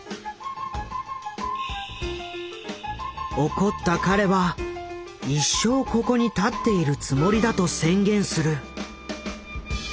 怒った彼は一生ここに立っているつもりだと宣言する。